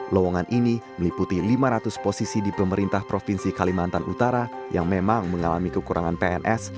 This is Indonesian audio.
lowongan ini meliputi lima ratus posisi di pemerintah provinsi kalimantan utara yang memang mengalami kekurangan pns